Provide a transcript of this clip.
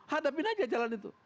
hadapin saja jalan itu